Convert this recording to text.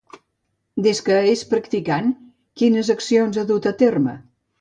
Des que és practicant, quines accions ha dut a terme?